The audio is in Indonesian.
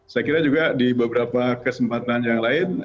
saya kira juga di beberapa kesempatan yang lain